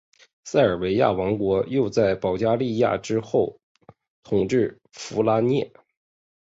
塞尔维亚王国又在保加利亚之后统治弗拉涅。